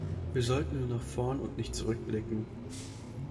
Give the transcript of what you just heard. Wir sollten nun nach vorn und nicht zurück blicken.